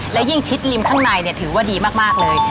และยิ่งชิดริมข้างในถือว่าดีมากเลย